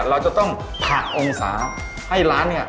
เราจะต้องผ่าองศาให้ร้านเนี่ย